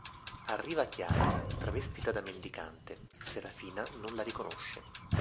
Arriva Chiara, travestita da mendicante: Serafina non la riconosce.